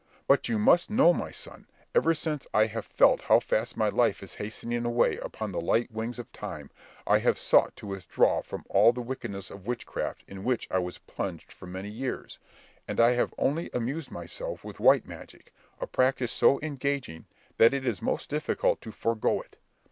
But you must know, my son, ever since I have felt how fast my life is hastening away upon the light wings of time, I have sought to withdraw from all the wickedness of witchcraft in which I was plunged for many years, and I have only amused myself with white magic, a practice so engaging that it is most difficult to forego it.